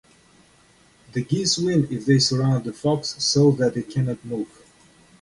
The geese win if they surround the fox so that it cannot move.